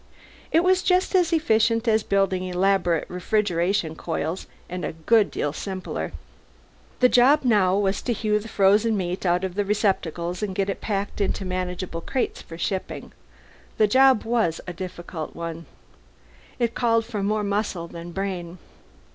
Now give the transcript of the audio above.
It was just as efficient as building elaborate refrigeration coils, and a good deal simpler. The job now was to hew the frozen meat out of the receptacles and get it packed in manageable crates for shipping. The job was a difficult one. It called for more muscle than brain.